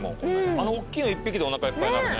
あの大きいの１匹でおなかいっぱいになるね。